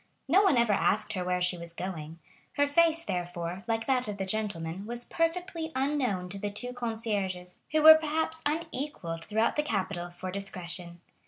No one ever asked her where she was going. Her face, therefore, like that of the gentleman, was perfectly unknown to the two concierges, who were perhaps unequalled throughout the capital for discretion.